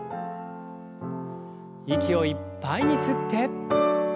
息をいっぱいに吸って。